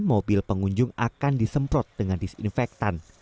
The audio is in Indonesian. mobil pengunjung akan disemprot dengan disinfektan